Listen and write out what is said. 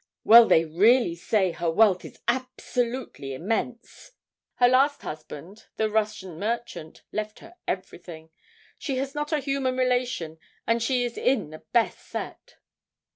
'Well, they really say her wealth is absolutely immense. Her last husband, the Russian merchant, left her everything. She has not a human relation, and she is in the best set.'